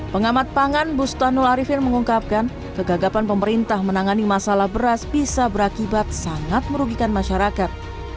pengamat pangan bustanul arifin mengungkapkan kegagapan pemerintah menangani masalah beras bisa berakibat sangat merugikan masyarakat